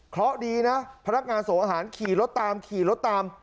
เพราะดีนะพนักงานส่งอาหารขี่รถตามขี่รถตาม